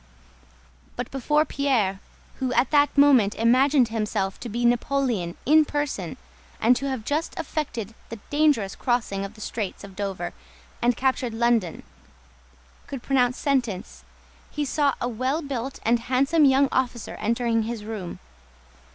But before Pierre—who at that moment imagined himself to be Napoleon in person and to have just effected the dangerous crossing of the Straits of Dover and captured London—could pronounce Pitt's sentence, he saw a well built and handsome young officer entering his room.